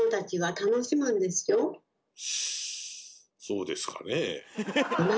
そうですかねぇ。